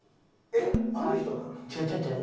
えっあの人なん？